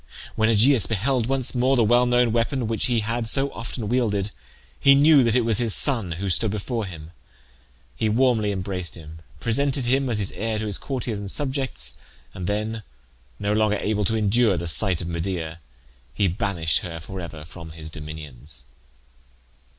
When Aegeus beheld once more the well known weapon which he had so often wielded, he knew that it was his son who stood before him. He warmly embraced him, presented him as his heir to his courtiers and subjects, and then, no longer able to endure the sight of Medea, he banished her for ever from his dominions.